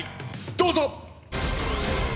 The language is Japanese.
どうぞ！